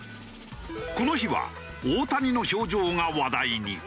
この日は大谷の表情が話題に。